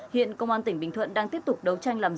hiện công an tỉnh bình thuận đang tiếp tục đấu tranh làm rõ